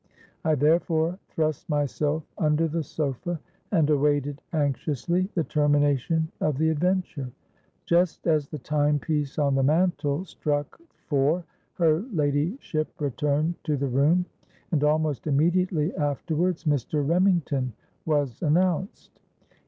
I therefore thrust myself under the sofa, and awaited anxiously the termination of the adventure. Just as the time piece on the mantel struck four, her ladyship returned to the room; and almost immediately afterwards Mr. Remington was announced.